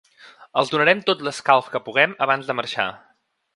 Els donarem tot l’escalf que puguem abans de marxar.